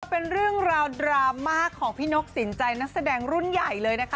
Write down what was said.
เป็นเรื่องราวดราม่าของพี่นกสินใจนักแสดงรุ่นใหญ่เลยนะคะ